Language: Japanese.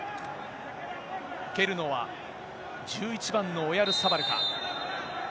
蹴るのは、１１番のオヤルサバルか。